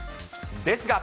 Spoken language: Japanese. ですが。